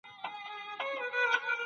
حقایق باید خلګو ته بیان سي.